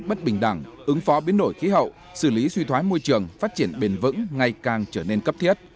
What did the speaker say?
bất bình đẳng ứng phó biến đổi khí hậu xử lý suy thoái môi trường phát triển bền vững ngày càng trở nên cấp thiết